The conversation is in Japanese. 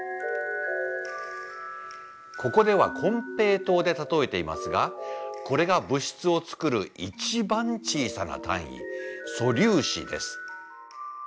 ここでは金平糖でたとえていますがこれが物質を作る一番小さな単位素粒子です。